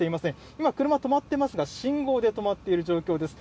今、車止まっていますが、信号で止まっている状況です。